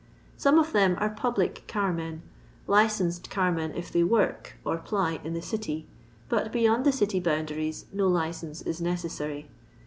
Some of them are public carmen ; licensed carmen if they work, or ply, in the City ; but beyond the City bonndnries no licence is necessary.